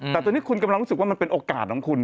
แต่ตอนนี้คุณกำลังรู้สึกว่ามันเป็นโอกาสของคุณ